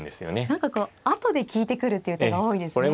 何かこう後で利いてくるっていう手が多いですね。